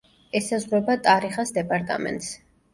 ესაზღვრება ტარიხას დეპარტამენტს.